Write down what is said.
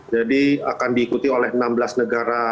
jadi akan diikuti oleh enam belas negara masyarakat